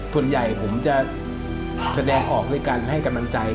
ส่วนใหญ่ผมจะแสดงออกด้วยการให้กำลังใจ